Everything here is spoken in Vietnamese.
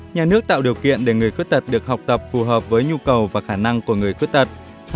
một nhà nước tạo điều kiện để người khuyết tật được học tập phù hợp với nhu cầu và khả năng của người khuyết tật